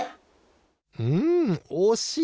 うんおしい！